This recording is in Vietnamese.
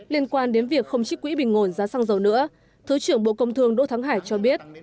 liên quan đến việc không trích quỹ bình ổn giá xăng dầu nữa thứ trưởng bộ công thương đỗ thắng hải cho biết